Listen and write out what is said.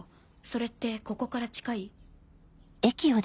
それってここから近い？